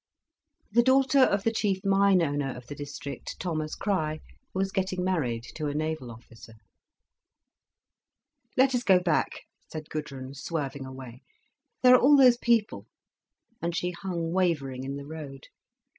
The daughter of the chief mine owner of the district, Thomas Crich, was getting married to a naval officer. "Let us go back," said Gudrun, swerving away. "There are all those people." And she hung wavering in the road.